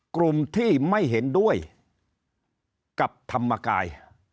กลุ่มที่ไม่เห็นด้วยกับธรรมกาย